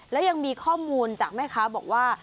และยังมีข้อมูลจากแม่ค้าบอกว่า